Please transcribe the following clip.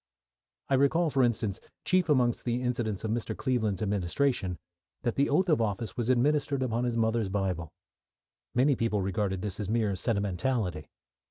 I recall, for instance, chief amongst the incidents of Mr. Cleveland's administration, that the oath of office was administered upon his mother's Bible. Many people regarded this as mere sentimentality.